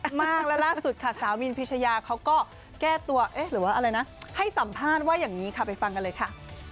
มากแล้วล่าสุดค่ะสาวมีนพิชยาเขาก็แก้ตัวเอ๊ะหรือว่าอะไรนะให้สัมภาษณ์ว่าอย่างนี้ค่ะไปฟังกันเลยค่ะ